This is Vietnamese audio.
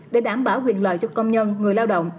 để đảm bảo quyền lợi cho công nhân người lao động